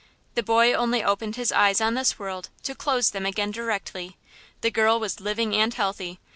The boy only opened his eyes on this world to close them again directly. The girl was living and healthy.